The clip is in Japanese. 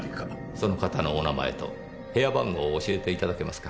その方のお名前と部屋番号を教えていただけますか？